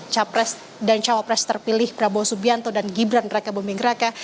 capres dan cawapres terpilih prabowo subianto dan gibran raka buming raka